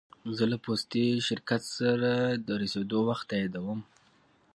زه له پوستي شرکت سره د رسېدو وخت تاییدوم.